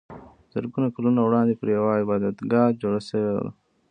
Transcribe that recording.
زرګونه کلونه وړاندې پرې یوه عبادتګاه جوړه شوې وه.